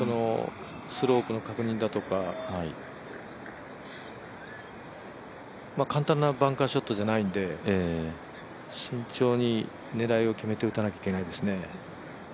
スロープの確認だとか、簡単なバンカーショットではないんで慎重に狙いを決めて打たないといけないですね。